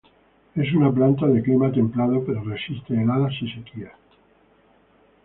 Es una planta de clima templado, pero resiste heladas y sequías.